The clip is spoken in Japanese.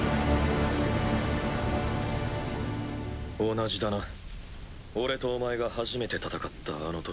同じだな俺とお前が初めて戦ったあの時と。